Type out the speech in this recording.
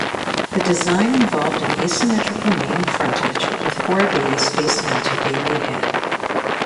The design involved an asymmetrical main frontage with four bays facing onto Bailey Head.